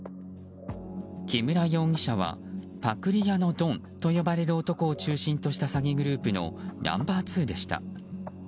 木村容疑者はパクリ屋のドンと呼ばれる男を中心とした詐欺グループのナンバー２でした。